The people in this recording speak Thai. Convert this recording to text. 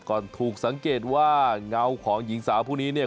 ถูกสังเกตว่าเงาของหญิงสาวผู้นี้เนี่ย